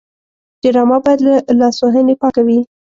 ډرامه باید له لاسوهنې پاکه وي